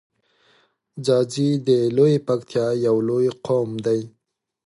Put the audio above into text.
ځاځی د لویی پکتیا یو لوی قوم دی.